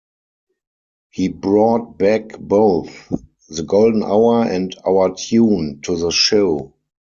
He brought back both "The Golden Hour" and "Our Tune" to the show.